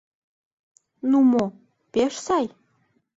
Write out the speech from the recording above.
— Ну мо, пеш сай.